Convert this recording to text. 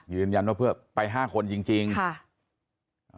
รินยันว่าเพื่อนไป๕คนจริงค่ะ